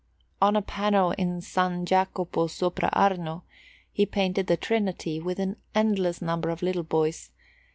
On a panel in S. Jacopo sopra Arno he painted the Trinity, with an endless number of little boys, S.